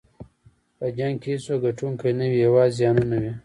په جنګ کې هېڅوک ګټونکی نه وي، یوازې زیانونه وي.